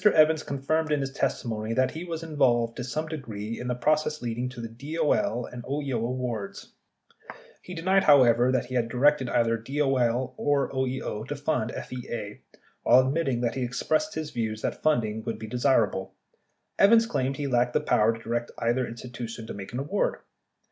Evans confirmed in his testimony that he was involved to some degree in the processes leading to the DOL and OEO awards. He denied, however, that he directed either DOL or OEO to fund FEA. While admitting that he expressed his view that funding would be desirable, Evans claimed he lacked the power to direct either institu tion to make an award.